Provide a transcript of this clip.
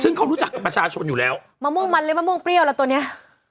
ซึ่งเขารู้จักกับประชาชนอยู่แล้วมะม่วงมันเลยมะม่วงเปรี้ยวแล้วตัวเนี้ย